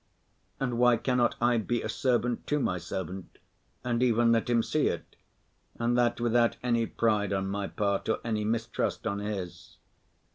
And why cannot I be a servant to my servant and even let him see it, and that without any pride on my part or any mistrust on his?